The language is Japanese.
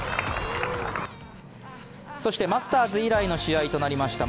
そして、マスターズ以来の試合となりました